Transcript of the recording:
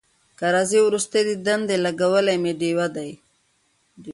که راځې وروستی دیدن دی لګولي مي ډېوې دي